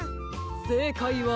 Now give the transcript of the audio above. せいかいは。